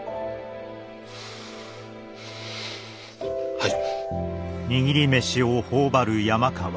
はい。